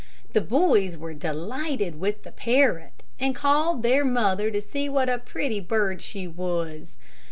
The boys were delighted with the parrot, and called their mother to see what a pretty bird she was.